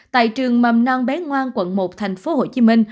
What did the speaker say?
tại trường mầm non bé ngoan quận một tp hcm